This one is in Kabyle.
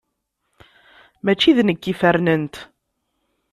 Mačči d nekk i fernent.